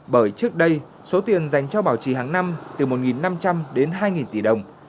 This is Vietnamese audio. bởi trước đây số tiền dành cho bảo trì hàng năm từ một năm trăm linh đến hai tỷ đồng